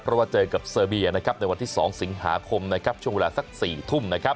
เพราะว่าเจอกับเซอร์เบียในวันที่๒สิงหาคมช่วงเวลาสัก๔ทุ่มนะครับ